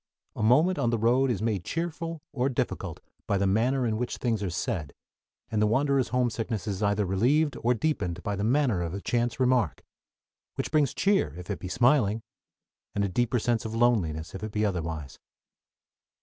A moment on the road is made cheerful or difficult by the manner in which things are said, and the wanderer's homesickness is either relieved or deepened by the manner of a chance remark, which brings cheer if it be smiling, and a deeper sense of loneliness if it be otherwise.